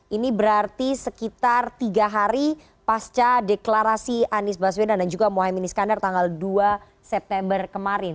ini berarti sekitar tiga hari pasca deklarasi anies baswedan dan juga mohaimin iskandar tanggal dua september kemarin